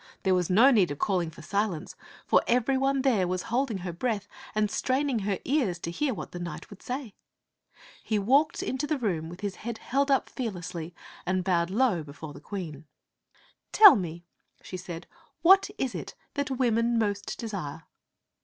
There was no need of calling for silence, for every one there was holding her breath and straining her ears to hear what the knight would say. He walked into the room with his head held up fear lessly, and bowed low before the Queen. " Tell me," she said, " what it is that women most desire."